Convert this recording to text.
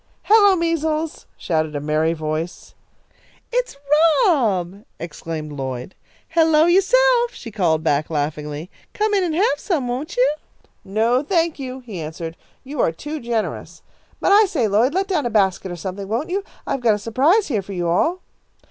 "Hello, Measles," shouted a merry voice. "It's Rob!" exclaimed Lloyd. "Hello yourself!" she called back, laughingly. "Come in and have some, won't you?" "No, thank you," he answered. "You are too generous. But I say, Lloyd, let down a basket or something, won't you? I've got a surprise here for you all."